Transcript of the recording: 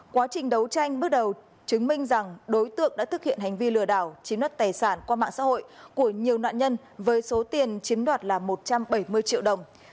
quá trình đấu tranh bước đầu chứng minh rằng đối tượng đã thực hiện hành vi lừa đảo chiếm đoạt tài sản qua mạng xã hội của nhiều nạn nhân với số tiền chiếm đoạt là một trăm bảy mươi triệu đồng